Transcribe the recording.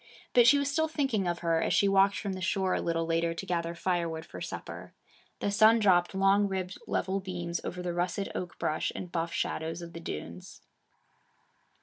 But she was still thinking of her, as she walked from the shore a little later to gather firewood for supper. The sun dropped long ribbed level beams over the russet oak brush and buff shadows of the dunes.